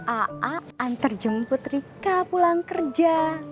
aa antar jemput rika pulang kerja